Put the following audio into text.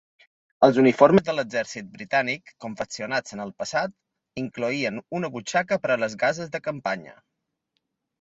Els uniformes de l'exèrcit britànic confeccionats en el passat incloïen una butxaca per a les gases de campanya.